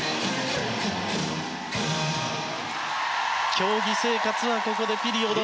競技生活はここでピリオド。